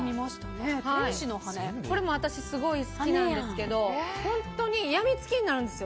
これも私、すごい好きなんですけど本当にやみつきになるんですよ。